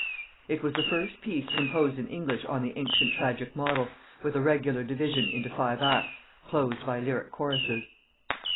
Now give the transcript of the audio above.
It was the first piece composed in English on the ancient tragic model, with a regular division into five acts, closed by lyric choruses.